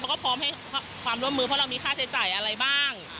ก็พร้อมให้ความร่วมมือเพราะเรามีค่าใช้จ่ายอะไรบ้าง